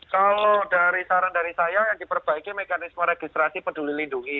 kalau dari saran dari saya yang diperbaiki mekanisme registrasi peduli lindungi